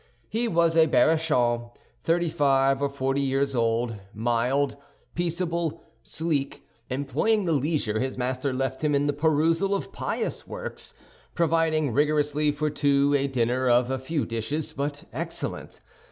He was a Berrichon, thirty five or forty years old, mild, peaceable, sleek, employing the leisure his master left him in the perusal of pious works, providing rigorously for two a dinner of few dishes, but excellent.